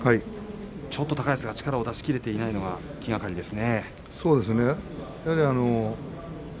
ちょっと高安が力を出し切れていないのが気がかりですね。